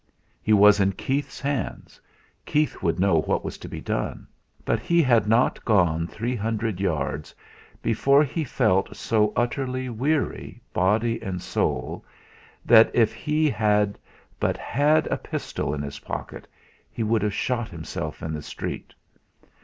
He was in Keith's hands, Keith would know what was to be done. But he had not gone three hundred yards before he felt so utterly weary, body and soul, that if he had but had a pistol in his pocket he would have shot himself in the street.